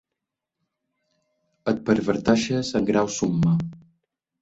Et perverteixes en grau summe.